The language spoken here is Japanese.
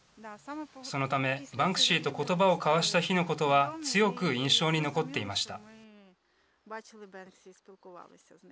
そのため、バンクシーと言葉を交わした日のことは強く印象に残っていました。